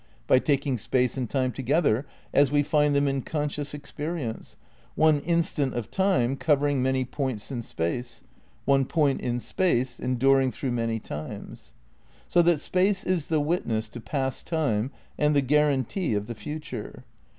By taking Space and Time together, as we find them in conscious experience, one instant of Time covering many points in Space, one point in Space enduring through many times. So that Space is the witness to past Time and the guarantee of the future.